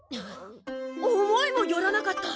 思いもよらなかった。